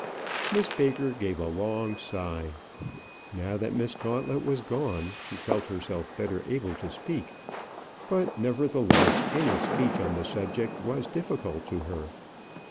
Miss Baker gave a long sigh. Now that Miss Gauntlet was gone she felt herself better able to speak; but, nevertheless, any speech on the subject was difficult to her.